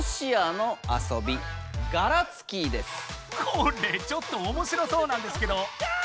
これちょっとおもしろそうなんですけど。